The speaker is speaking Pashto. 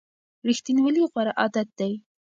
ریښتینولي غوره عادت دی.